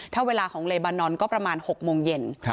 ถ้าเวลาของเลบานอนก็ประมาณ๖โมงเย็น